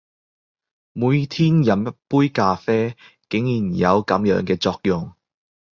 每天飲一杯咖啡，竟然有噉樣嘅作用！